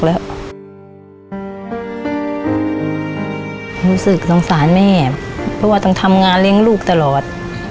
รู้สึกสงสารแม่เพราะว่าต้องทำงานเลี้ยงลูกตลอด